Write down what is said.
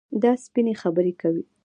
دا سپيني خبري کوي.